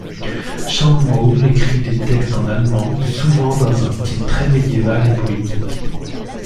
Schandmaul écrit des textes en allemand, souvent dans un style très médiéval et poétique.